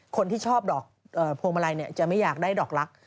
คนที่ชอบดอกพวงมาลัยจะไม่อยากได้ดอกลักษ